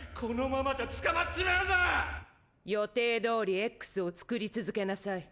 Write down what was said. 予定どおりＸを作り続けなさい。